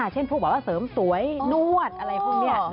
เช่นพวกแบบว่าเสริมสวยนวดอะไรพวกนี้